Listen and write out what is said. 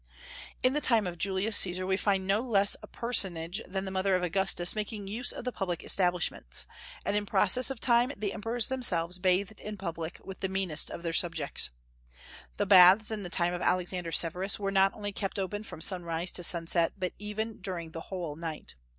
In the time of Julius Caesar we find no less a personage than the mother of Augustus making use of the public establishments; and in process of time the Emperors themselves bathed in public with the meanest of their subjects. The baths in the time of Alexander Severus were not only kept open from sunrise to sunset, but even during the whole night.